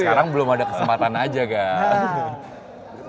sekarang belum ada kesempatan aja kak